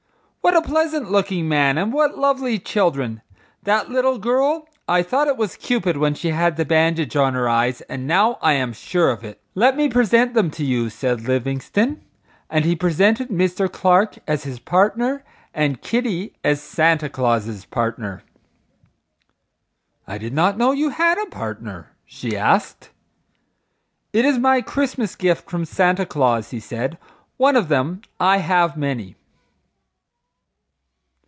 "What a pleasant looking man, and what lovely children! That little girl,—I thought it was Cupid when she had the bandage on her eyes and now I am sure of it." "Let me present them to you," said Livingstone, and he presented Mr. Clark as his partner and Kitty as Santa Claus's partner. "I did not know you had a partner?" she asked. "It is my Christmas gift from Santa Claus," he said. "One of them; I have many."